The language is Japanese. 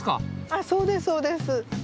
あっそうですそうです。